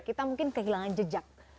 kita mungkin kehilangan jejak